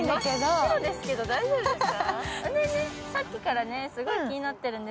真っ白ですけど、大丈夫ですか。